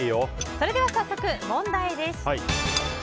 それでは早速、問題です。